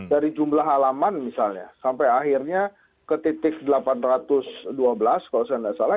dari jumlah halaman misalnya sampai akhirnya ke titik delapan ratus dua belas kalau saya tidak salah